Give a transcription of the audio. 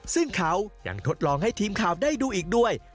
ซึ่งเขายังทดลองให้ทีมข่าวได้ดูอีกด้วย